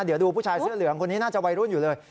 เดี๋ยวดูผู้ชายเสื้อเหลืองคนนี้น่าจะวัยรุ่นอยู่เลย